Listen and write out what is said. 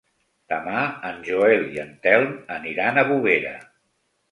Demà en Joel i en Telm aniran a Bovera.